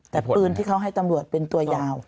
แต่ปืนที่เขาให้ตำรวจเป็นตัวยาว